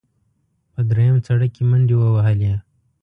په درېیم سړک کې منډې ووهلې.